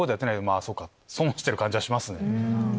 まぁそうか損してる感じはしますね。